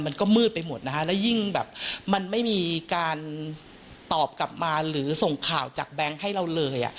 มันก็มืดไปหมดนะฮะแล้วยิ่งแบบมันไม่มีการตอบกลับมาหรือส่งข่าวจากแบงค์ให้เราเลย